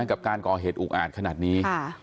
กับการก่อเหตุอุกอาจขนาดนี้